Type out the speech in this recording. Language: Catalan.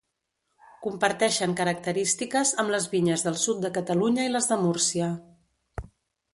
Comparteixen característiques amb les vinyes del sud de Catalunya i les de Múrcia.